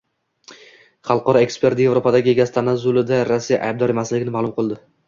Xalqaro ekspert Yevropadagi gaz tanazzulida Rossiya aybdor emasligini ma’lum qilding